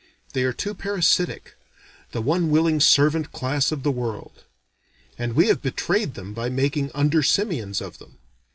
They are too parasitic the one willing servant class of the world. And we have betrayed them by making under simians of them.